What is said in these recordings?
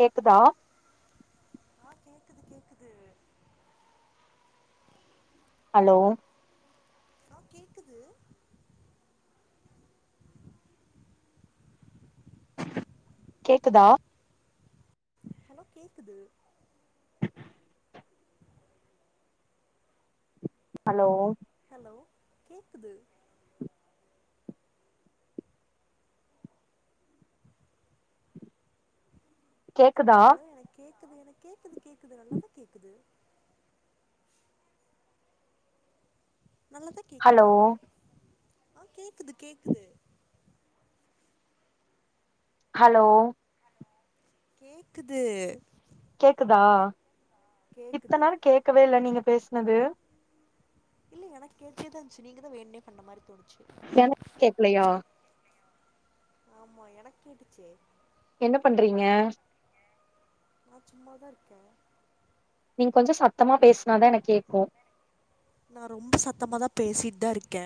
கேக்குதா [inaudible] ஹலோ ஆ கேக்குது கேக்குதா ஹலோ கேக்குது அலோ ஹலோ கேக்குது கேக்குதா க்குது எனக் கேக்குது கேக்குது நல்லாதா கேக்குது நல்லாதா ஹலோ கேக்குது ஆ கேக்குது கேக்குது அலோ கேக்குது கேக்குதா கேக்குது இத்தன்நாள் கேட்கவே இல்ல நீங்க பேஸ்னது இல்லிங்க எனக்கு கேட்டேதாஞ்ச்சு நீங்கதா வேன்னே பண்ண மாரி தோணுத் எனக் கேக்கலையா ஆமா எனக் கேட்டுச்சே என்ன பண்றீங்க நா சும்மாதா இருக்கே நீங் கொஞ்சோ சத்தமா பேஸ்னாதா எனக் கேக்கு நா ரொம்ப சத்தமாதா பேசிட்தா இருக்கே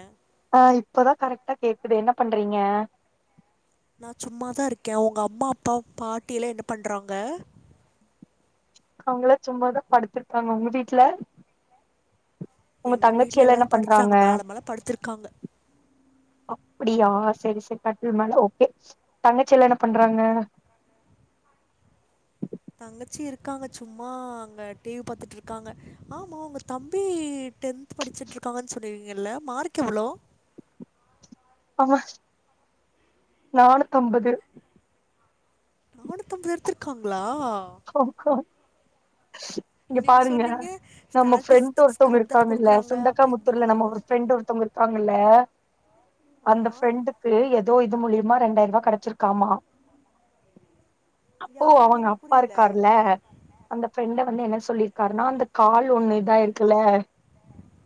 ஆ இப்பதா கரெக்ட்டா கேக்குது என்ன பண்றீங்க நா சும்மாதா இருக்கே ஒங்க அம்மாப்பா பாட்டியெல்லா என்ன பண்றாங்க அவ்ங்களா சும்மாதா படுத்திருக்காங்க ஒங்க வீட்ல உங்க எங்க தங்கச்சி வீட்ல எல்லா என்ன எல்லாரு பண்றாங்க படுத்துட்டாங்க மேல மேல படுத்திருக்காங்க அப்பிடியா செரி செரி கட்டில் மேல ஓகே தங்கச்சில்லா என்ன பண்றாங்க [inaudible] தங்கச்சி இருக்காங்க சும்மா அங்க டீ வி பாத்துட்ருக்காங்க ஆமா உங்க தம்பி டென்த் படிச்சுட்ருக்காங்கன் சொல்லுவீங்கில்ல மார்க் எவ்ளோ ஆமா நானூத்தம்பது நானூத்தம்பது எடுத்துருக்காங்ளா ஆக்கா இங்க நீங்க பாருங்க சொன்னீங்க நம்ம ஃப்ரெண்ட் ஸ்டாட்டிஸ்டிக்ஸ் ஒருத்தங்க குரூப் தான் இருக்காங்கில்ல குடுக்குறாங்க அப்படி இப்படின்னு சுண்டக்காமுத்தூர்ல நம்ம அதனால ஒரு ஃப்ரெ தான் ப்ரண்டு கேட்டேன். ஒர்த்தவ்ங்க இருக்காங்கில்ல அந்த ஆமா ஃப்ரெண்டுக்கு எதோ இது மூலிய்மா ரெண்டாய்ருபா கெடச்சிருக் காமா யாரு மூலிய்மா புர் பா இருக்கார்ல அந்த ஃப்ரெண்ட வந்து என்ன சொல்லி கார்ணா அந்த கால் ஒண்ணு இதாய்ருக்குல்ல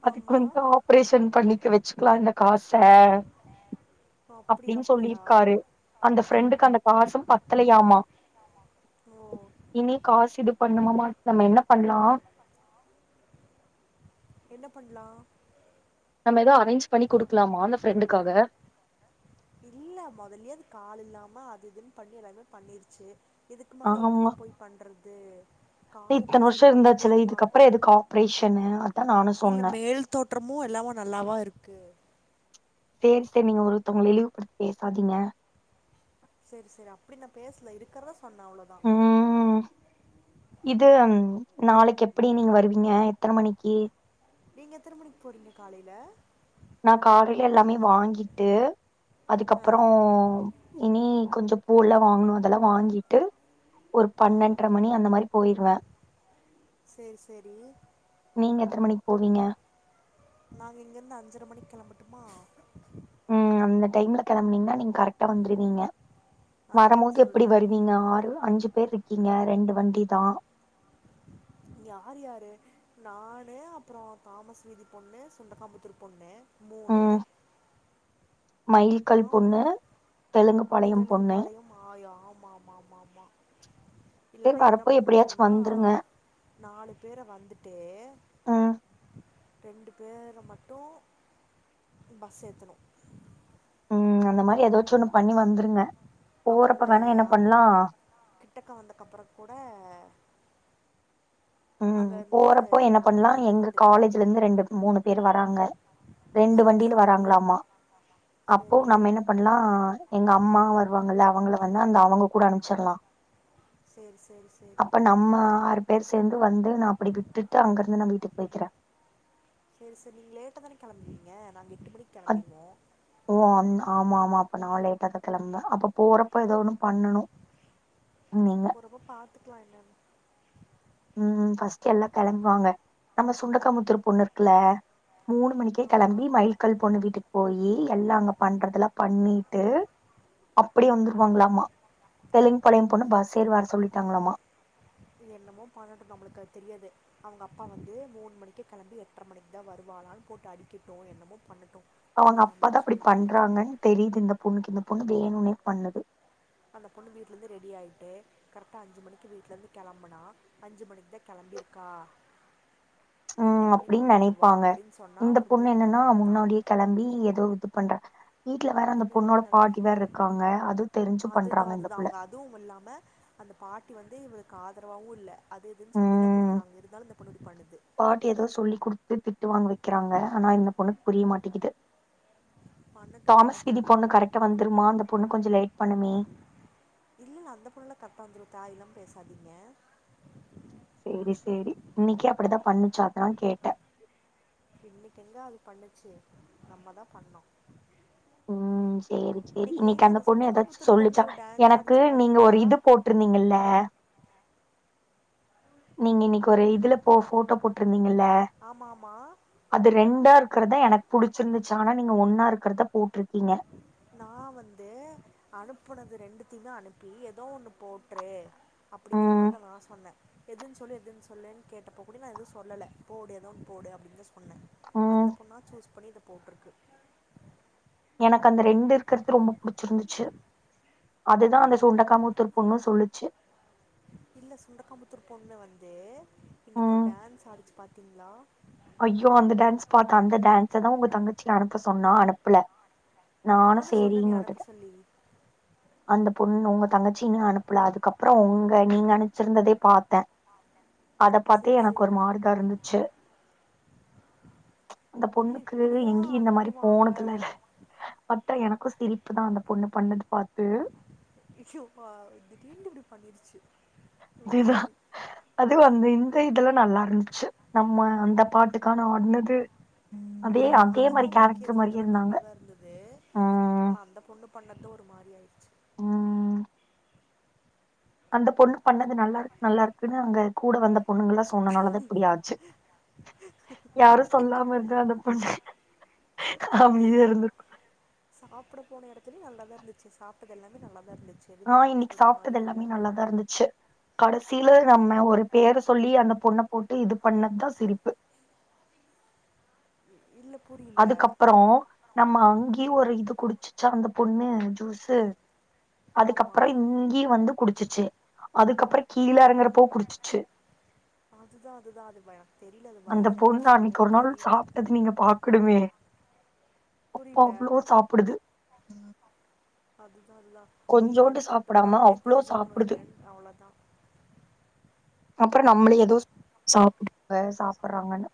அதுக்கு ஆமா. வந்து ஆப்ரேஷன் பண்ணிக்க வெச்சுக்கலா இந்த காச ஓ அப்படியா அப்டின் அப்படியா. சொல்லிர்க்காரு அந்த ஃப்ரெண்டுக்கு அந்த காசு பத்தலையாமா [inaudible] இனி காசு இது பண்ணுமமா நம்ம என்ன பண்லா என்ன பண்லா நம்ம எதொ அரேஞ்ச் பண்ணி குடுக்லாமா அந்த ஃப்ரெண்டுக்காக இல்ல மொதல்யே அது கால் இல்லாம அது இதுன் பண்ணி எல்லாமே பண்ணிர்ச்சு இதுக்கு மேல என்னத்த போய் பண்றது தெ கால இத்தன் மட்டு வர்ஷொ சரி பண்ணா இருந்தாச்சுல போதுமா இதுக்கப்புற எதுக்கு ஆப்ரேஷன்னு அத்தா நானு சொன்னே எல்லாவு நல்லாவா இருக்கு செரி செரி நீங்க ஒருத்தவ்ங்கள இழிவுபடுத் பேசாதீங்க செரி செரி அப்டி நா பேசல இருக்கறோ சொ சொண்ண அவ்ளொதா ம் நாளிக்கெப்பிடி நீங்க வருவீங்க எத்தன மணிக்கு நீங்க எத்தன மணிக் போறீங்க காலீல நா காலைலே எல்லாமே வாங்கிட்டு அதுக்கப்பொறொ இனி கொஞ்சொ ஊர்ல வாங்கணு அதெல்லா வாங்கிட்டு ஒரு பன்னெண்டரை மணி அந்த மாரி போயிருவே சேரி சேரி நீங்க எத்தனை மணிக்கு போவீங்க நாங்க இங்கிருந்து அஞ்சரை மணி கெளம்பட்டுமா இந்த டைம்ல கிளம்பினாங்க நீங்க கரெக்டா வந்துருவீங்க அதா வரம்போது எப்டி சொல்ற வருவீங்க ஆறு அஞ்சு பேர் இருக்கீங்க ரெண்டு வண்டி தா யார் யாரு நானு அப்புறோ தாமஸ்வீதி பொண்ணு சுண்டகாம்புத்தூர் பொண்ணு மூணு மைல்கள் ஆம் பொண்ணு தெலுங்கு பாளையம் தெலுங்கு பொண்ணு பாளையம் ஆயா ஆமா ஆமா ஆமா ஆமா இல்லன்னா தென் என்ன வரப்போ எப்படியாச்சு பண்ணணுன்னா வந்துருங்க நாலு பேர வந்துட்டு ம் ரெண்டு பேரை மட்டும் பஸ் ஏத்தனு ம் அந்த மாரி ஏதாச்சு ஒண்ணு பண்ணி வந்துருங்க அப்புற போறப்ப இந்த வேணா என்ன அங்க பண்லா கிட்டக்க வந்தக்கப்புறோ கூட ம் அங்க இருந்து போறப்போ என்ன பண்ணலா மூணு பேர் எங்க வந்துக்கலா காலேஜ்லருந்து ரெண்டு மூணு பேர் வராங்க ரெண்டு சரி வண்டியில சரி வராங்களாமா அப்போ சரி நம்ம என்ன பண்ணலா எங்க அம்மா வருவாங்கல்ல அவங்கள வந்து அந்த அவங்க கூட அனுப்பச்சில்லா சரி சரி சரி அப்ப நம்ம ஆறு பேர் சேந்து வந்து நா அப்படி விட்டுட்டு அங்கருந்து நா வீட்டுக்கு போய்க்கிறே சரி சரி நீங்க லேட்டா தானே கெளம்புவீங்க நாங்க எட்டு மணிக்கு அத் கெளம்பிருவோ ஓ ஆமா ஆமா அப்ப நா லேட்டா தா கெளம்புனே அப்ப போறப்ப ஏதோ ஒண்ணு பண்ணணு நீங்க போறப்ப பாத்துக்கலா என்னன்னு ம் ஃபர்ஸ்ட்டு எல்லா கெளம்புவாங்க நம்ம சுண்டக்காமுத்தூர் பொண்ணு இருக்குல மூணு மணிக்கே ஆமா கெளம்பி மயில்கல் பொண்ணு வீட்டுக்கு போயி எல்லா அங்க பண்றதுல்லா பண்ணிட்டு அப்படியே வந்துருவாங்களாமா தெலுங்கு பாளையம் பொண்ணு பஸ்சேரி வர சொல்லிட்டாங்களாமா இது என்னமோ பன்னட்டு நம்மளுக்கு அது தெரியாது அவங்க அப்பா வந்து மூணு மணிக்கு கெளம்பி எட்ரை மணிக்கு தா வருவா ஆளாலுக் போட்டு அடிக்கட்டு என்னமோ பண்ணட்டு அவங்கப்பாதா அப்டி பண்றாங்கன் தெரியுது இந்த பொண்ணுக்கு இந்த பொண்ணு வேணுனே பண்ணுது அந்த பொண்ணு வீட்லருந்து ரெடி ஆயிட்டு கரெக்ட்டா அஞ்சு மணி வீட்லந்து கெளம்பனா அஞ்சு மணிக்கு தா கெளம்ப அபிர்க்கா எட்ரை ம் மணிக்கு அப்டின்னு வந்துடுவா நெனைப்பாங்க அப்டின்னு சொல்லி இந்த பொண்ணு என்னன்னா முன்னாடியே கெளம்பி ஏதோ இது பண்றே வீட்ல வேற அந்த விடுங்க பொண்ணோட விடுங்க அதுக்கு பாட்டி வேர்ருக்காங்க அதுவு தெரிஞ்சு பண்றாங்க அதுதான் இந்த அதுதான் புள்ள அவங்க அதுவும் இல்லாமல் அந்த பாட்டி வந்து இவளுக்கு காதரவாவு இல்ல அது எதுன்னு சொல்லிதா ம் குடுக்குறாங்க இருந்தாலு இந்த பொண்ணு இப்டி பண்ணுது பாட்டி ஏதோ சொல்லி குடுத்து திட்டு வாங்க வைக்கிறாங்க ஆனா இந்த பொண்ணுக்கு புரிய மாட்டிக்குது பண்ணட்டும் தாமஸ் விதி பண்ணட்டும் பொண்ணு கரெக்டா வந்துருமா அந்த பொண்ணு கொஞ்ச லேட் பண்ணுமே இல்ல இல்ல அந்த பொண்ணுல கட்டா வந்துரு தாயெல்லா பேசாதீங்க சேரி சேரி இன்னைக்கு அப்படித்தா பண்ணுச்சு அதா கேட்டே இன்னைக்கு எங்க அது பண்ணுச்சு நம்மதா பண்ணோ ம் ம் சரி சரி இன்னைக்கு அந்த பொண்ணு சுண்டக்காய் ஏதாச்சு புத்தூர் பொண்ணு சொல்லுச்சா ஒரு டான்ஸ் எனக்கு ஆடிச்சு நீங்க ஒரு பாத்தீங்களா இது போட்ருந்தீங்கல்ல நீங்க இன்னைக்கு ஒரு இதுல போ போட்டோ போட்டிருந்தீங்கல்ல ஆமா ஆமா அது ரெண்டா இருக்கறதா எனக்கு புடிச்சிருந்துச்சு ஆனா நீங்க ஒன்னா இருக்கிறதா போட்டிருக் நா வந்து அனுப்புனது ரெண்டு அனுப்பி ஏதோ ஒண்ணு போட்ரு அப்படிங்குற ம் மாத நா சொன்னே எதுன் சொல்லு எதுன் சொல் என்னன் கேட்டப்போ கூட நா எது சொல்லல போடு ஏதோ போடு அப்படின்தா சொ ன்னே அந்த ம் பொண்ணா சூஸ் பண்ணி இத போட்ருக்கு எனக்கு அந்த ரெண்டு இருக்கறது ரொம்ப புடிச்சிருந்துச்சு அதுதா அந்த சுண்டக்காமூத்தூர் பொண்ணு சொல்லுச்சு இல்ல சுண்டக்காமுத்தூர் பொண்ணு வந்து இன்னைக்கு ஒரு ம் டான்ஸ் ஆடிச்சு பாத்தீங்களா ஐயோ அந்த டான்ஸ் பாத்தா அந்த டான்ஸதா உங்க தங்கச்சி அனுப்ப சொன்னா அனுப்பல நானு சொன்னனே சேரின்னு அனுப்ப விட்டுட்டே சொல்லி அந்த பொண்ணு உங்க தங்கச்சின்ன்னு அனுப்புல அதுக்கப்புற உங்க நீங்க அனுச்சிருந்ததே பாத்தே அத பாத்தே சரி எனக்கு சரி ஒரு மாறுதா இருந்துச்சு அந்த இல்ல பொண்ணுக்கு இப்படியா எங்கயு இந்த மாரி அனுப்புவாங்க போனதுல்லல பாத்தா எனக் கு சிரிப்பு தா அந்த பொண்ணு பண்ணது பாத ஐயோ அப்பா இதீண்டு இப்டி பண்ணிருச்சு ஒரு அதுதா மாரி அது அந்துன் து இதெல்லா நல்லாருந்துச்சு நம்ம அந்த பாட்டுக்கான ஆடுனது அப்டியே அதே அதெல்லா மாதிரி ஓகே தா கேரக்டர் மாரியே அதெல்லா இருந்தாங்க நல்லாதா இருந்தது ம் ஆனா அந்த பொண்ணு பண்ணது ஒரு மாரி ஆயிடுச்சு ம் அந்த பொண்ணு பண்ணது நல்லாருக்கு நல்லாருக்குன்னு எங்க கூட வந்த பொண்ணுங்கல்லா சொன்னனாலதா இப்பிடியாச்சு யாரு சொல்லாம இருந்தா அந்தப் புள்ள அமைதியாருந்துருக்கு சாப்பிட போன எடத்துலையு நல்ல தா இருந்துச்சு சப்ட்டது எல்லாமே நல்லா ஆ இன்னைக்கி சாப்ட்டது எல்லாமே நல்லாதாருந்துச்சு கடைசியில நம்ம ஒரு பேர சொல்லி அந்த பொண்ண போட்டு இது பண்ணது தா சிரிப்பு ம் இல்ல புரியல அதுக்கப்புறோ நம்ம அங்கேயு ஒரு இது குடிச்சிச்சா அந்த பொண்ணு அ ஜுஸு ஆமா அதுக்கப்புறோ இங்கேயு வந்து குடிச்சிச்சு அதுக்கப்புறோ கீழே எறங்கறப்போ குடிச்சிச்சு அதுதா அதுதா அது வ அது தெரில அது அந்த வயிரா பொண்ணு வேற அன்னைக்கு இல்லன் ஒரு நாள் தெரில சாப்ட்டது நீங்க பாக்கணுமே அப்பா அவ்ளோ சாப்பிடுது நா அதுதா இல்ல கொஞ்சோண்டு அன்னைக்கி சாப்பிடாம முட்டப்புரோட்டாலே அவ்ளோ தெரிஞ்சிருக்கணு சாப்பிடுது என்னன்னு அவ்ளோதா அப்புறோ நம்மள ஏதோ சாப்புடுங்க சாப்புடுறாங்கன்னு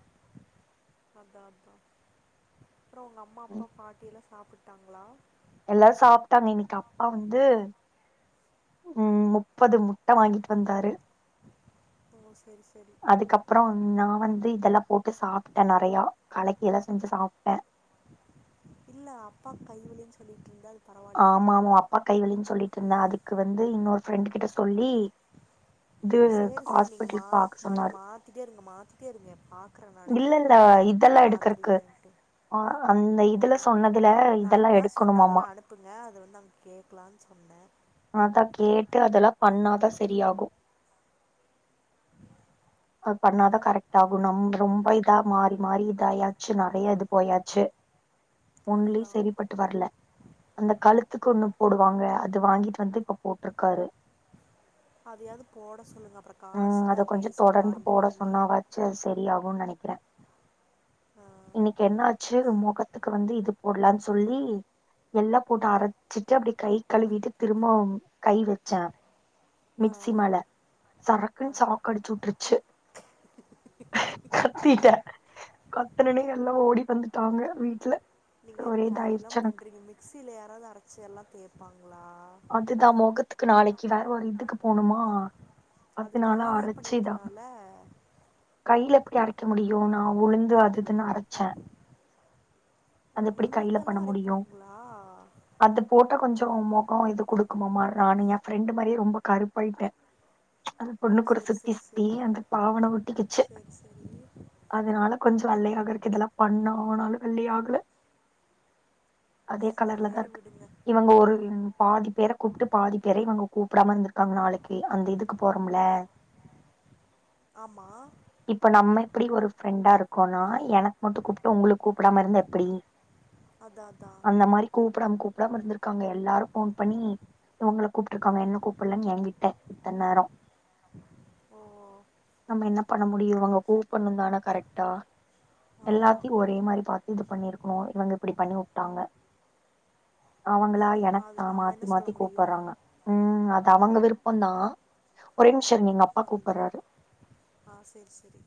அப்புறோ உங்க அம்மா அப்பா பாட்டியெல்லா சாப்புட்டாங்களா எல்லாரு சாப்ட்டாங்க இன்னைக்கி அப்பா வந்து ம் முப்பது முட்ட வாங்கிட்டு வந்தாரு ஓ சேரி சேரி அதுக்கப்புறோ நா வந்து இதெல்லாம் போட் ட்ட சாப்ட்டே நறையா கலைக்கியேல்லா செஞ்சு சாப்ட்ட இல்ல அப்பாக் கைவலின் சொல்லிட்டுருந்த ஆமாமா அப்பாக் கைவலின் சொல்லிட்டுருந்தே அதுக்கு வந்து இன்னொரு ஃப்ரெண்டு கிட்ட சொல்லி இது சேரி சேரி நீங்க ஹாஸ்பிட்டலுக்கு பாக்க மாத் மரு சொன்னாரு மாத்திட்டே இருங்க மாத்திட்டே இருங்க பாக்குற நானு இல்ல இல்ல நீங் எத்தன இதெல்லா எடுக்கறக்கு மாத்திரிங்கன்ட்டு ஆ அந்த இதுல சொன்னதுல இதெல்லா எடுக்கணுமாம்மா இப்பங்க அத வந்து அங் கேக்கலான் சொன்னே அதா கேட்டு அதெல்லா பண்ணாதா செரியாகு அது பண்ணாதா கரெக்ட்டாகு நம்ப ரொம்ப இதா மாறி மாறி இத ஆயாச்சு நறைய இது போயாச்சா ஒங்களியு அதுதான் செரிப்பட்டு வரல அந்த கழுத்துக்கு ஒண்ணு போடுவாங்க அது வாங்கிட்டு வந்து இப்போ போட்டுருக்காரு அதையாவது போட சொல்லுங்கள் அப்புறம் காசு ம் அத தான் கொஞ்சோ வேஸ்ட்டு தொடர்ந்து வாங்கி போட வாங்கி சொன்னாவாச்சு அது சரியாகுன் நெனைக்கிறே இன்னைக்கி என்னாச்சு மொகத் துக்கு வந்து இது போடலான் சொல்லி எல்லா போட்டு அரைச்சிட்டு அப்டி கை கழுவிட்டு திரும்பவு கை வெச்சே மிக்ஸிமேல சரக்குன்னு ஷாக் அடிச்சுவுட்டுருச்சு கத்திட்டே கத்துனது எல்லா ஓடி வந்துட்டாங்க வீட்ல நீங்க ஒரே இதாயிருச்சு தேவேல்லாம எனக்கு பண்றீங்க மிக்சியில யாராவது அரைச்சி எல்லா தேப்பாங்க அதுதா மொகத்துக்கு நாளைக்கி வேற ஒரு இதுக்கு போணுமா அது பத்து நாளா கையிலேயே அரச்சு இதா பண்ணிருக்கிலால கையில எப்பிடி அரைக்க முடியு நா உளுந்து அது இதுன்னு அரைச்சே ஓ அது எப்பிடி கையில உளுந்தெல்லா பண்ண முடியு அரைப்பாங்களா அது போட்ட கொஞ்சோ அது குடுக்குமாமா நானு ஏ ஃப்ரெண்டு் மாரியே ரொம்ப கருப்பாயிட்டே அந்த ஓ பொண்ணு கூட செரி சுத்தி செரி சுத்தி செரி அந்த பாவன ஒட்டிக்கிச்சு செரி செரி அதனால கொஞ் வெள்ளையாகருத்துக் இதெல்லா பண்ணா ஆனாலு வெள்ளையாகல அதே கலர்ல தா சேரி இருக்க விடுங்க இவுங்க ஒரு பாதி பேர கூப்ட்டு பாதி பேர இவங்க கூப்படாம இருந்துருக்காங்க நாளைக்கி அந்த இதுக்கு போறோம்ல ஆமா ப்டி ஒரு ஃப்ரெண்டா இருக்கோனா எனக் மட்டு கூப்ட்டு உங்களுக் கூப்டாம இருந்தா எப்டி அதா அதா ப்டாம் கூப்டாம இருந்திருக்காங்க எல்லாரு ஃபோன் பண்ணி இவுங்ள கூப்ட்டுருக்காங்க என்ன கூப்புல்லன் எகிட்ட இத்தன் நேரோ ஓ நம்ம என்ன பண்ண முடியு இவுங்க கூப்பண்ணு தான கரெட்டா ஆமா எல்லாத்தியு ஒரே மாரி பாத்து இது பன்னிருக்குனு இவங்க இப்டி பண்ணி வுட்டாங்க அவங்களா அது ஆ நம்ம மாத்தி என்ன சொல்ல மாத்தி முடியு கூப்புறாங்க ம் அது அவுங்க விருப்ப தா ஒரே சர் எங்க அப்பா அதுதா கூப்பறாரு ஆ செரி செரி